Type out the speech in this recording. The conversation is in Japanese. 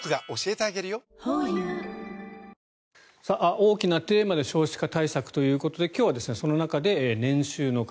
大きなテーマで少子化対策ということで今日はその中で年収の壁。